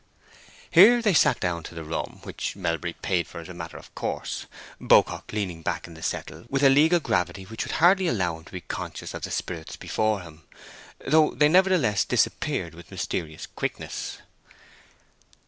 Here they sat down to the rum, which Melbury paid for as a matter of course, Beaucock leaning back in the settle with a legal gravity which would hardly allow him to be conscious of the spirits before him, though they nevertheless disappeared with mysterious quickness.